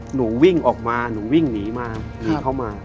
หนูวิ่งออกมาหนูวิ่งหนีมาหนีเข้ามา